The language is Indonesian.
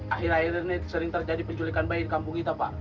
akhir akhir ini sering terjadi penculikan bayi di kampung kita pak